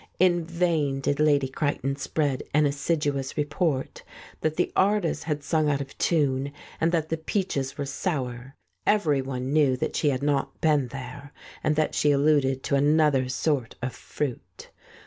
In vain did Lady Creighton spread an assiduous report that the artists had sung out of tune and that the peaches were sour. Everyone knew that she had not been there, and that she alluded to another sort of fruit.